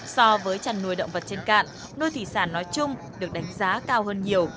so với chăn nuôi động vật trên cạn nuôi thủy sản nói chung được đánh giá cao hơn nhiều